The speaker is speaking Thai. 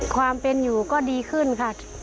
ความเป็นอยู่ก็ดีขึ้นค่ะ